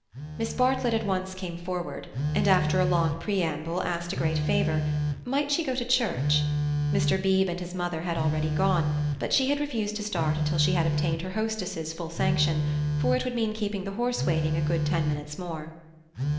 Miss Bartlett at once came forward, and after a long preamble asked a great favour: might she go to church? Mr. Beebe and his mother had already gone, but she had refused to start until she obtained her hostess's full sanction, for it would mean keeping the horse waiting a good ten minutes more.